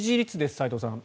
斎藤さん。